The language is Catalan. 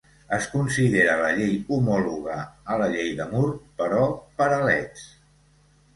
Es considera la llei homòloga a la llei de Moore però per a Leds.